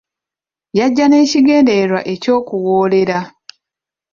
Yajja n'ekigendererwa eky'okuwoolera.